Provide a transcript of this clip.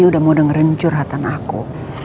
dia udah mau dengerin curhatan aku